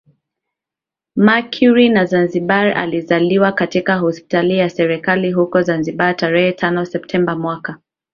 Mercury na Zanzibar alizaliwa katika hospitali ya serikali huko Zanzibar tarehe tano Septemba mwaka